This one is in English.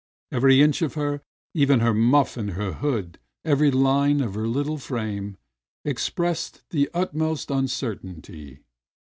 Every inch of her, even her muff and her hood, every line of her Uttle frame expressed the utmost uncertainty.